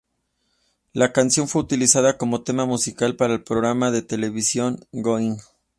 La canción fue utilizada como tema musical para el programa de televisión, "Going!